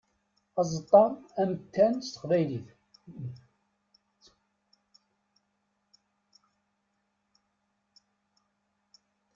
Aẓeṭṭa amettan s teqbaylit.